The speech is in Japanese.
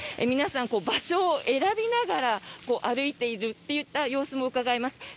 皆さん、場所を選びながら歩いているといった様子もうかがえます。